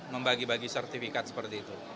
membagi bagi sertifikat seperti itu